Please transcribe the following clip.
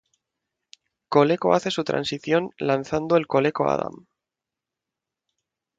Coleco hace su transición lanzando el Coleco Adam.